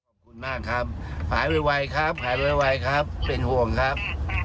ขอบคุณมากครับหายไวครับหายไวครับเป็นห่วงครับ